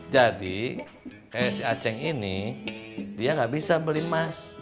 jadi kayak si achen ini dia nggak bisa beli emas